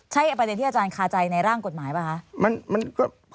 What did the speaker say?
ใช่ประเด็นที่อาจารย์คาใจในร่างกฎหมายป่ะคะ